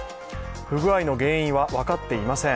不具合の原因は分かっていません。